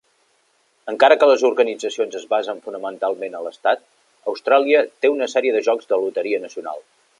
Encara que les organitzacions es basen fonamentalment a l"estat, Austràlia té una sèrie de jocs de loteria nacional.